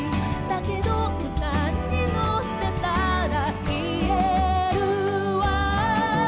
「だけど歌に乗せたら言えるわ」